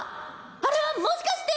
あれはもしかして！